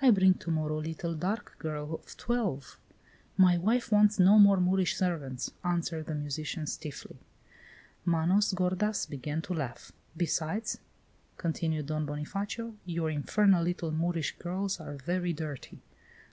I bring to morrow little dark girl of twelve " "My wife wants no more Moorish servants," answered the musician stiffly. Manos gordas began to laugh. "Besides," continued Don Bonifacio, "your infernal little Moorish girls are very dirty."